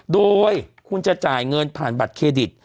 โดยคุณจะจ่ายเงินผ่านบัตรเครดิต